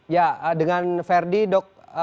ya dengan ferdi dok